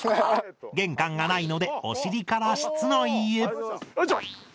玄関がないのでお尻から室内へよいしょ！